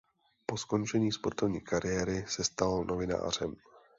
Po skončení sportovní kariéry se stal novinářem.